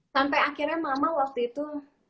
sampai akhirnya mama waktu itu